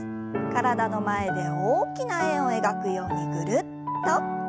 体の前で大きな円を描くようにぐるっと。